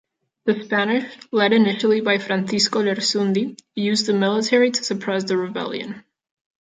The Spanish, led initially by Francisco Lersundi, used the military to suppress the rebellion.